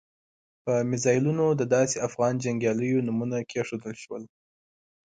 په میزایلونو د داسې افغان جنګیالیو نومونه کېښودل شول.